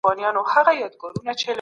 آيا نوی نسل خپل تاريخي امتداد پېژني؟